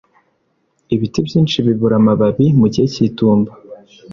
ibiti byinshi bibura amababi mu gihe cyitumba